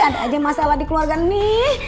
ada aja masalah di keluarga nih